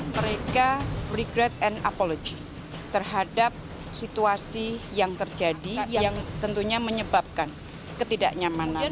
mereka regret and apologi terhadap situasi yang terjadi yang tentunya menyebabkan ketidaknyamanan